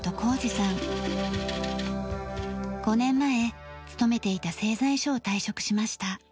５年前勤めていた製材所を退職しました。